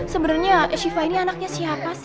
sebenernya siva ini anaknya siapa sih